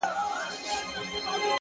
ستا د مستۍ په خاطر؛